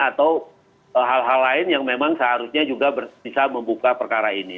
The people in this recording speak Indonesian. atau hal hal lain yang memang seharusnya juga bisa membuka perkara ini